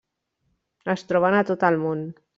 Es troben a tot el món.